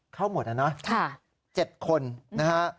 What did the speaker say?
เข้าหมดแล้วนะค่ะ๗คนนะฮะ